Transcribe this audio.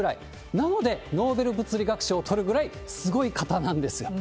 なので、ノーベル物理学賞を取るぐらいすごい方なんですよ。